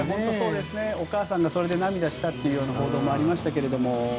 お母さんがそれで涙したっていう報道もありましたが。